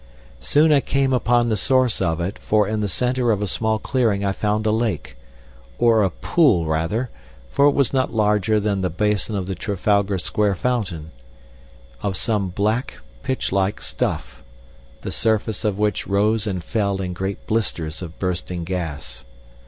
Soon I came upon the source of it, for in the center of a small clearing I found a lake or a pool, rather, for it was not larger than the basin of the Trafalgar Square fountain of some black, pitch like stuff, the surface of which rose and fell in great blisters of bursting gas.